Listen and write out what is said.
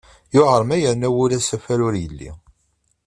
Yuɛer ma yerna wul asafar ur yelli.